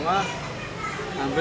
yang lain yang lain yang lain